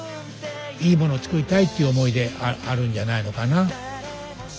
いいものを作りたいっていう思いであるんじゃないのかな。